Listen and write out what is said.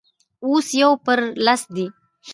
اوس يو پر لس دی.